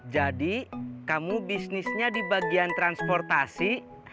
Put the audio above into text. jadi kamu bisnisnya di bagian transportasi